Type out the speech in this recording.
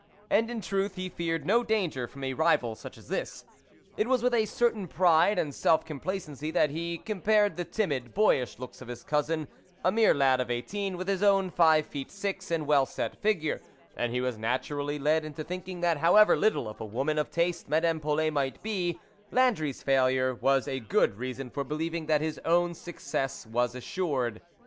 And, in truth, he feared no danger from a rival such as this. It was with a certain pride and self complacency that he compared the timid, boyish looks of his cousin, a mere lad of eighteen, with his own five \ feej^sjx_and well set figure, and he was 'nliturally led into thinking, that, however little of a woman of taste Madame Polet might be, Landry's failure was a good rea son for believing that his own success was assured.